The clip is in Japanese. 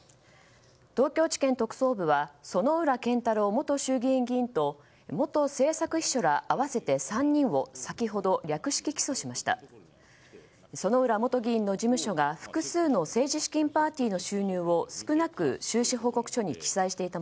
東京地検特捜部は薗浦健太郎元衆議院議員と元政策秘書ら合わせて３人を先ほど略式起訴しました。